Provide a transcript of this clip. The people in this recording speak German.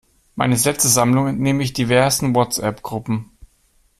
Meine Sätzesammlung entnehme ich diversen WhatsApp-Gruppen.